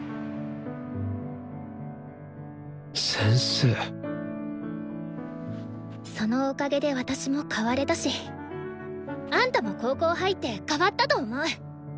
先生そのおかげで私も変われたしあんたも高校入って変わったと思う！